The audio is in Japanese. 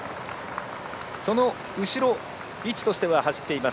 その後ろを位置としては走っています。